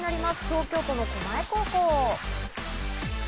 東京都の狛江高校。